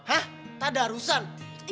hah tada arusan